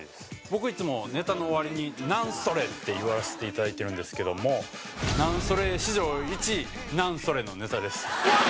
僕いつもネタの終わりに「なんそれ！」って言わしていただいてるんですけどものネタです